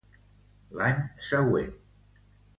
L'any següent.